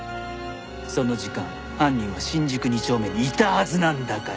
その時間犯人は新宿２丁目にいたはずなんだから。